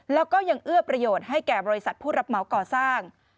แล้วก็ยังเอื้อประโยชน์ให้แก่บริษัทผู้รับเหมาก่อสร้าง